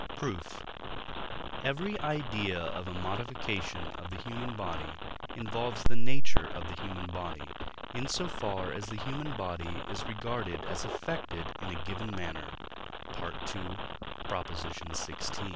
Proof. Every idea of a modification of the human body involves the nature of the human body, in so far as the human body is regarded as affected in a given manner (II. xvi.).